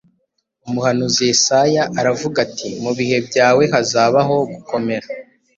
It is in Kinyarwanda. Umuhanuzi Yesaya aravuga ati: «Mu bihe byawe hazabaho gukomera,